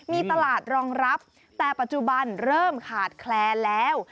มีตลาดรองรับแต่ปัจจุบันเริ่มขาดแคลนแล้ว